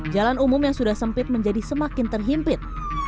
jalan umum yang sudah sempit menjadi semakin terhimpit